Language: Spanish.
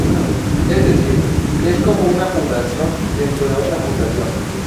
Es decir: es como una función dentro de otra función.